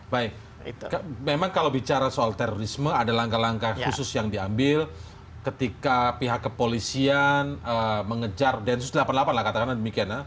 baik memang kalau bicara soal terorisme ada langkah langkah khusus yang diambil ketika pihak kepolisian mengejar densus delapan puluh delapan lah katakanlah demikian ya